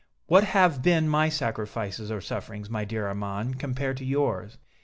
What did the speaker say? What have been my sacrifices or sufferings, my dear Armand, compared to yours?